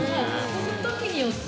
その時によって。